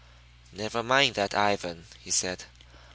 "Never mind that, Ivan," he said.